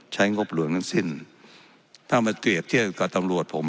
งบหลวงทั้งสิ้นถ้ามาเปรียบเทียบกับตำรวจผม